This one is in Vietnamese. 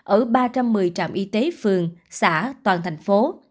ở ba trăm một mươi trạm y tế phường xã toàn thành phố